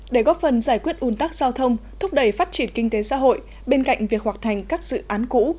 để góp phần giải quyết un tắc giao thông thúc đẩy phát triển kinh tế xã hội bên cạnh việc hoạt thành các dự án cũ